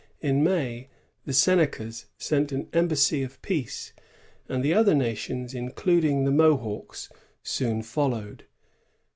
In May, the Senecas sent an embassy of peace; and the other nations, including the Mohawks, soon followed.